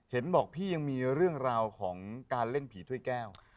เห็นบอกพี่ยังมีเรื่องราวของการเล่นผีถ้วยแก้ว